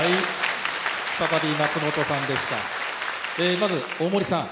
まず大森さん。